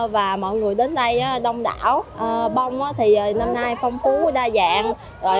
và mọi người đến đây đông đảo bông thì năm nay phong phú đa dạng